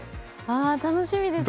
あ楽しみですね。